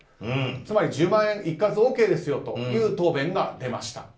つまり１０万円一括ＯＫですよと答弁が出ました。